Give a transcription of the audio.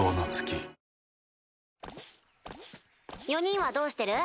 ４人はどうしてる？